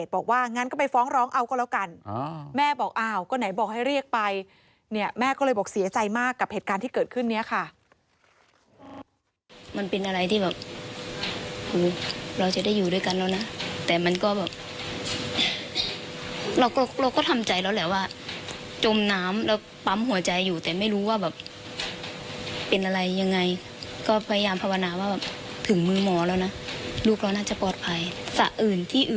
บอกว่างั้นก็ไปฟ้องร้องเอาก็แล้วกันอ๋อแม่บอกเอาก็ไหนบอกให้เรียกไปเนี่ยแม่ก็เลยบอกเสียใจมากกับเหตุการณ์ที่เกิดขึ้นเนี้ยค่ะมันเป็นอะไรที่แบบหูเราจะได้อยู่ด้วยกันแล้วน่ะแต่มันก็แบบเราก็เราก็ทำใจเราแหละว่าจมน้ำแล้วปั๊มหัวใจอยู่แต่ไม่รู้ว่าแบบเป็นอะไรยังไงก็พยายามภาวนาว่าแบบถึงมื